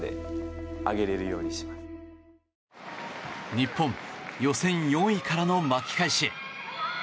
日本、予選４位からの巻き返し。